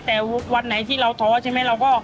แต่วันไหนที่เราท้อใช่ไหมเราก็